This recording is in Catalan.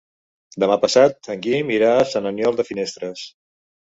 Demà passat en Guim irà a Sant Aniol de Finestres.